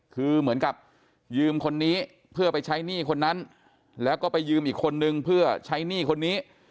คือเหมือนกับยืมคนนี้เพื่อไปใช้หนี้คนนั้นแล้วก็ไปยืมอีกคนนึงเพื่อใช้หนี้คนนี้